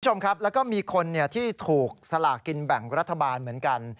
คุณผู้ชมครับแล้วก็มีคนที่ถูกสลากินแบ่งรัฐบาลเหมือนกัน